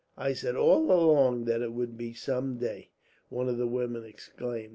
"I said all along that it would be so some day," one of the women exclaimed.